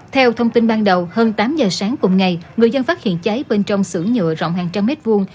theo thông tin ban đầu hơn tám giờ sáng cùng ngày người dân phát hiện cháy bên trong xưởng nhựa rộng hàng trăm mét vuông